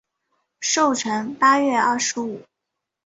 寿辰八月二十五。